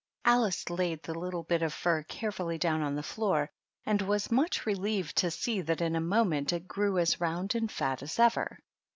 Alice laid the little bit of fiir carefully down on the floor, and was much relieved to see that in a moment it grew as round and fat as ever.